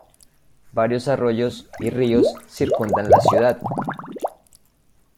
Varios arroyos y ríos circundan la ciudad.